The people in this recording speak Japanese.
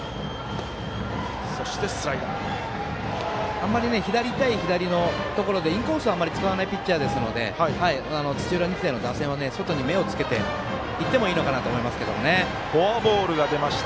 あまり左対左のところでインコースをあまり使わないピッチャーですので土浦日大の打線は外に目をつけていってもフォアボールが出ました。